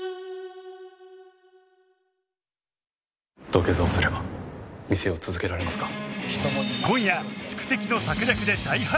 土下座をすれば店を続けられますか？